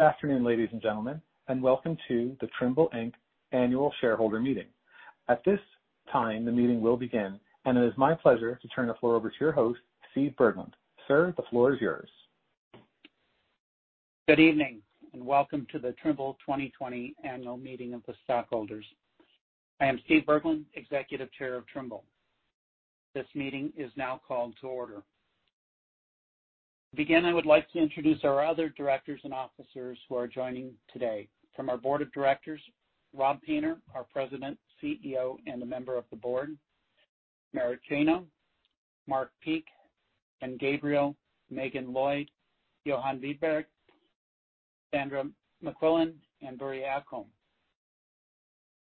Afternoon, ladies and gentlemen, and welcome to the Trimble Inc. Annual Shareholder Meeting. At this time, the meeting will begin, and it is my pleasure to turn the floor over to your host, Steve Berglund. Sir, the floor is yours. Good evening, and welcome to the Trimble 2020 Annual Meeting of the Stockholders. I am Steve Berglund, Executive Chair of Trimble. This meeting is now called to order. To begin, I would like to introduce our other directors and officers who are joining today. From our board of directors, Rob Painter, our President, CEO, and a member of the board, Merit Janow, Mark Peek, Ken Gabriel, Meaghan Lloyd, Johan Wibergh, Sandra MacQuillan, and Börje Ekholm.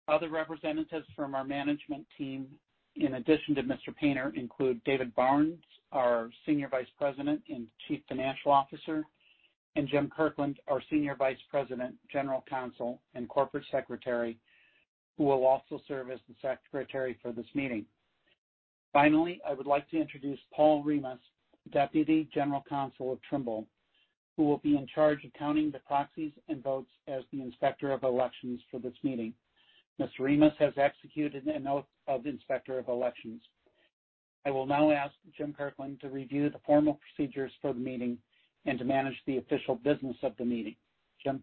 Other representatives from our management team, in addition to Mr. Painter, include David Barnes, our Senior Vice President and Chief Financial Officer, and Jim Kirkland, our Senior Vice President, General Counsel, and Corporate Secretary, who will also serve as the secretary for this meeting. Finally, I would like to introduce Paul Rimas, Deputy General Counsel of Trimble, who will be in charge of counting the proxies and votes as the Inspector of Elections for this meeting. Mr. Rimas has executed an oath of Inspector of Elections. I will now ask Jim Kirkland to review the formal procedures for the meeting and to manage the official business of the meeting. Jim?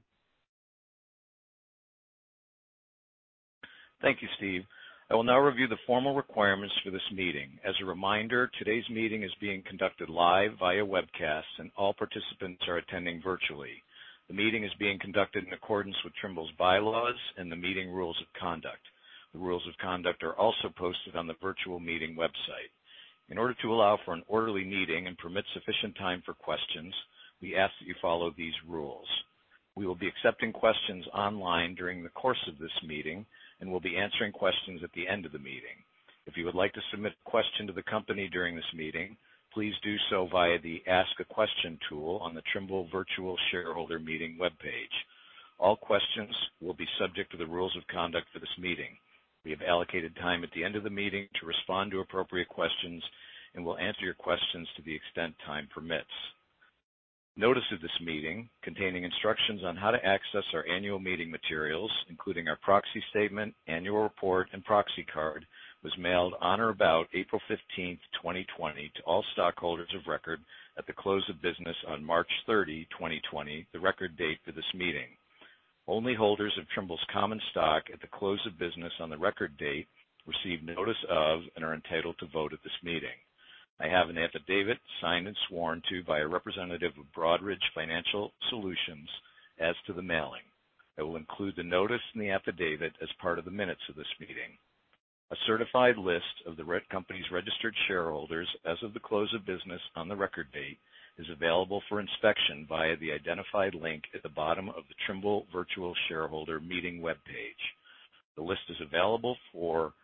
Thank you, Steve. I will now review the formal requirements for this meeting. As a reminder, today's meeting is being conducted live via webcast, and all participants are attending virtually. The meeting is being conducted in accordance with Trimble's bylaws and the meeting rules of conduct. The rules of conduct are also posted on the virtual meeting website. In order to allow for an orderly meeting and permit sufficient time for questions, we ask that you follow these rules. We will be accepting questions online during the course of this meeting and will be answering questions at the end of the meeting. If you would like to submit a question to the company during this meeting, please do so via the Ask a Question tool on the Trimble virtual shareholder meeting webpage. All questions will be subject to the rules of conduct for this meeting. We have allocated time at the end of the meeting to respond to appropriate questions and will answer your questions to the extent time permits. Notice of this meeting, containing instructions on how to access our annual meeting materials, including our proxy statement, annual report, and proxy card, was mailed on or about April 15th, 2020, to all stockholders of record at the close of business on March 30, 2020, the record date for this meeting. Only holders of Trimble's common stock at the close of business on the record date received notice of and are entitled to vote at this meeting. I have an affidavit signed and sworn to by a representative of Broadridge Financial Solutions as to the mailing. I will include the notice in the affidavit as part of the minutes of this meeting. A certified list of the company's registered shareholders as of the close of business on the record date is available for inspection via the identified link at the bottom of the Trimble virtual shareholder meeting webpage. The list is available for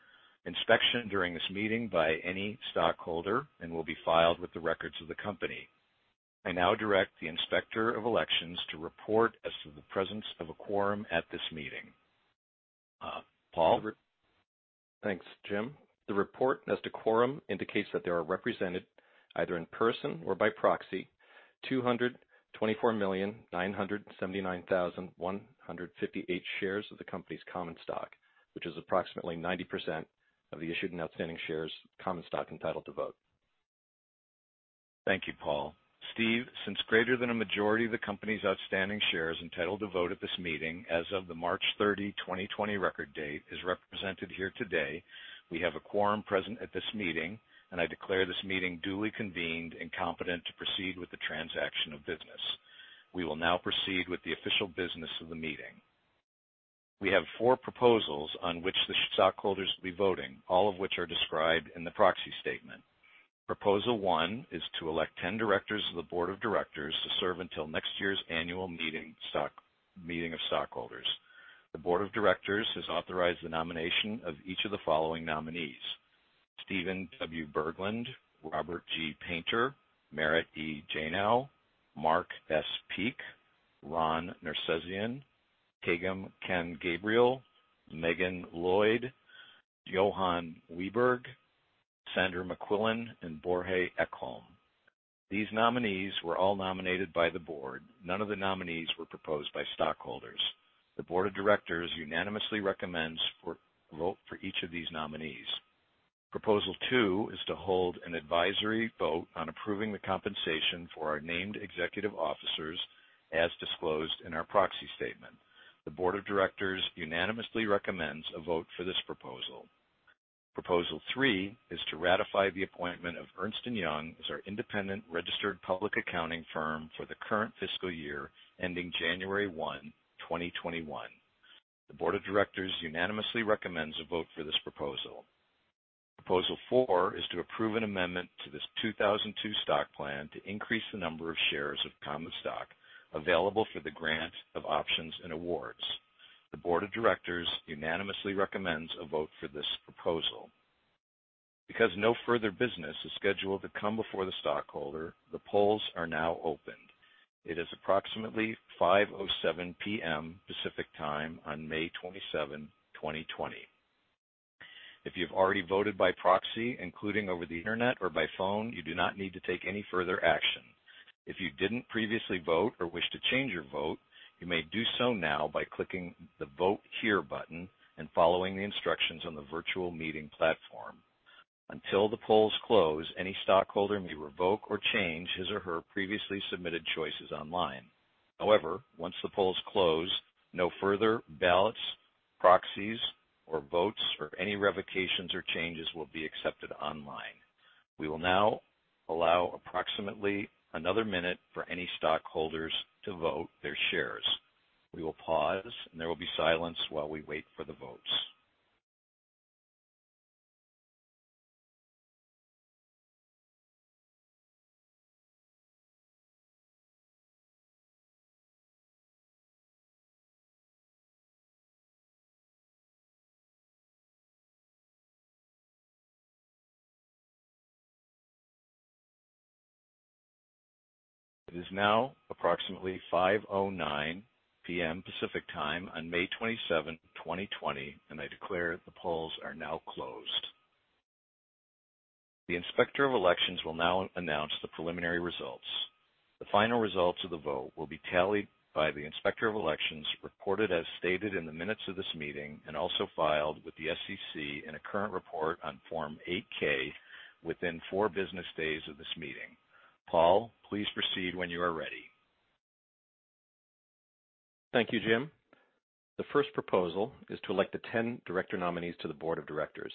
inspection during this meeting by any stockholder and will be filed with the records of the company. I now direct the Inspector of Elections to report as to the presence of a quorum at this meeting. Paul? Thanks, Jim. The report as to quorum indicates that there are represented, either in person or by proxy, 224,979,158 shares of the company's common stock, which is approximately 90% of the issued and outstanding shares of common stock entitled to vote. Thank you, Paul. Steve, since greater than a majority of the company's outstanding shares entitled to vote at this meeting as of the March 30, 2020, record date is represented here today, we have a quorum present at this meeting, and I declare this meeting duly convened and competent to proceed with the transaction of business. We will now proceed with the official business of the meeting. We have four proposals on which the stockholders will be voting, all of which are described in the proxy statement. Proposal one is to elect 10 directors of the Board of Directors to serve until next year's Annual Meeting of Stockholders. The Board of Directors has authorized the nomination of each of the following nominees: Steven W. Berglund, Robert G. Painter, Merit E. Janow, Mark S. Peek, Ron Nersesian, Kaigham Ken Gabriel, Meaghan Lloyd, Johan Wibergh, Sandra MacQuillan, and Börje Ekholm. These nominees were all nominated by the Board. None of the nominees were proposed by stockholders. The Board of Directors unanimously recommends a vote for each of these nominees. Proposal two is to hold an advisory vote on approving the compensation for our named executive officers as disclosed in our proxy statement. The Board of Directors unanimously recommends a vote for this proposal. Proposal three is to ratify the appointment of Ernst & Young as our independent registered public accounting firm for the current fiscal year ending January 1, 2021. The Board of Directors unanimously recommends a vote for this proposal. Proposal four is to approve an amendment to this 2002 Stock Plan to increase the number of shares of common stock available for the grant of options and awards. The Board of Directors unanimously recommends a vote for this proposal. Because no further business is scheduled to come before the stockholder, the polls are now open. It is approximately 5:07 P.M. Pacific Time on May 27, 2020. If you've already voted by proxy, including over the internet or by phone, you do not need to take any further action. If you didn't previously vote or wish to change your vote, you may do so now by clicking the Vote Here button and following the instructions on the virtual meeting platform. Until the polls close, any stockholder may revoke or change his or her previously submitted choices online. Once the polls close, no further ballots, proxies, or votes, or any revocations or changes will be accepted online. We will now allow approximately another one minute for any stockholders to vote their shares. We will pause, and there will be silence while we wait for the votes. It is now approximately 5:09 P.M. Pacific Time on May 27, 2020, and I declare the polls are now closed. The Inspector of Elections will now announce the preliminary results. The final results of the vote will be tallied by the Inspector of Elections, reported as stated in the minutes of this meeting, and also filed with the SEC in a current report on Form 8-K within four business days of this meeting. Paul, please proceed when you are ready. Thank you, Jim. The first proposal is to elect the 10 director nominees to the board of directors.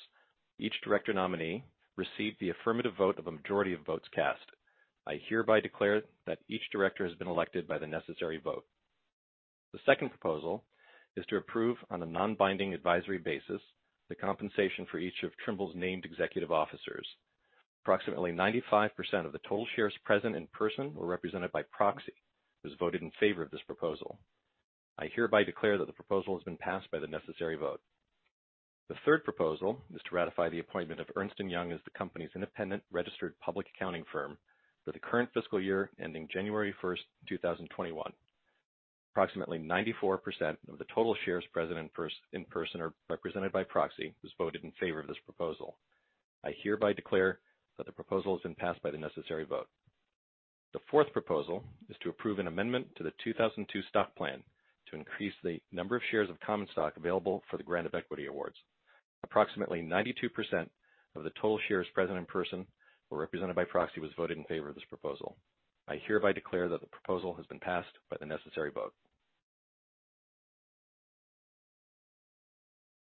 Each director nominee received the affirmative vote of a majority of votes cast. I hereby declare that each director has been elected by the necessary vote. The second proposal is to approve on a non-binding advisory basis the compensation for each of Trimble's named executive officers. Approximately 95% of the total shares present in person or represented by proxy has voted in favor of this proposal. I hereby declare that the proposal has been passed by the necessary vote. The third proposal is to ratify the appointment of Ernst & Young as the company's independent registered public accounting firm for the current fiscal year ending January 1st, 2021. Approximately 94% of the total shares present in person or represented by proxy has voted in favor of this proposal. I hereby declare that the proposal has been passed by the necessary vote. The fourth proposal is to approve an amendment to the 2002 Stock Plan to increase the number of shares of common stock available for the grant of equity awards. Approximately 92% of the total shares present in person or represented by proxy has voted in favor of this proposal. I hereby declare that the proposal has been passed by the necessary vote.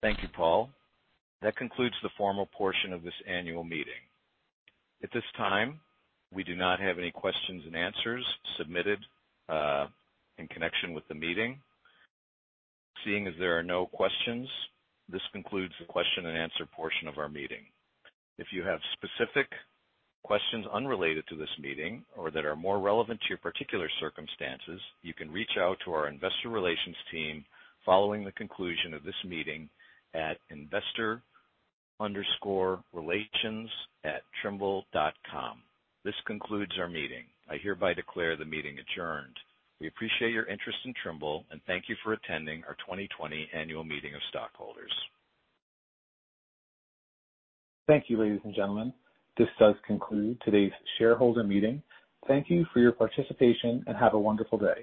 Thank you, Paul. That concludes the formal portion of this annual meeting. At this time, we do not have any questions and answers submitted in connection with the meeting. Seeing as there are no questions, this concludes the question and answer portion of our meeting. If you have specific questions unrelated to this meeting or that are more relevant to your particular circumstances, you can reach out to our investor relations team following the conclusion of this meeting at investor_relations@trimble.com. This concludes our meeting. I hereby declare the meeting adjourned. We appreciate your interest in Trimble and thank you for attending our 2020 annual meeting of stockholders. Thank you, ladies and gentlemen. This does conclude today's shareholder meeting. Thank you for your participation, and have a wonderful day.